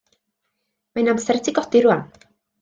Mae'n amser i ti godi rŵan.